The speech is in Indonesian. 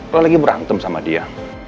kalau lagi berantem sama dia